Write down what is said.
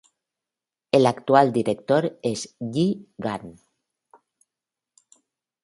El actual director es Yi Gang.